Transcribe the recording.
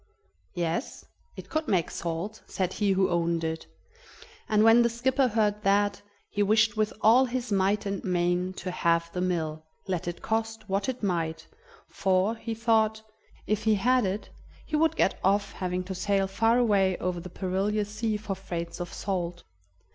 "Yes, it could make salt," said he who owned it, and when the skipper heard that, he wished with all his might and main to have the mill, let it cost what it might, for, he thought, if he had it, he would get off having to sail far away over the perilous sea for freights of salt.